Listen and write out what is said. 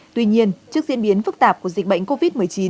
tuy nhiên trước diễn biến phức tạp của dịch bệnh covid một mươi chín